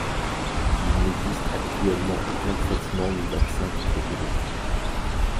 Il n'existe actuellement aucun traitement ni vaccin pour ce virus.